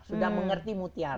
sudah mengerti mutiara